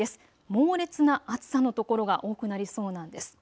猛烈な暑さの所が多くなりそうなんです。